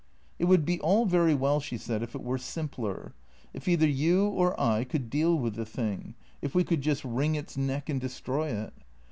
" It would be all very well," she said, " if it were simpler ; if either you or I could deal with the thing, if we could just wring its neck and destroy it.